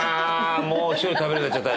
もう１人で食べるようになっちゃった。